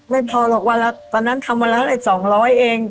ไม่พอหรอกวันนั้นทำวันละ๒๐๐เอง